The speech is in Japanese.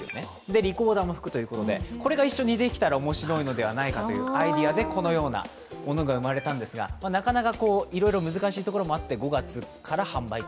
リコーダーも吹くということでこれが一緒にできたら面白いのではないかということでアイデアでこのようなものが生まれたんですが、なかなかいろいろ難しいところもあって５月から販売開始と。